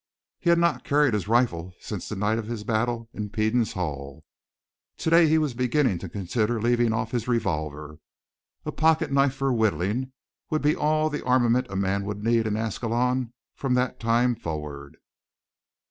He had not carried his rifle since the night of his battle in Peden's hall. Today he was beginning to consider leaving off his revolver. A pocketknife for whittling would be about all the armament a man would need in Ascalon from that time forward.